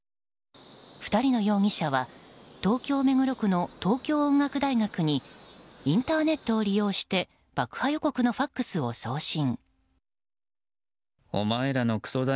２人の容疑者は東京・目黒区の東京音楽大学にインターネットを利用して爆破予告のＦＡＸを送信。